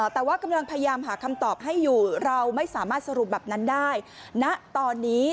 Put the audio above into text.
แต่ว่ากำลังพยายามหาคำตอบให้อยู่เราไม่สามารถสรุปแบบนั้นได้ณตอนนี้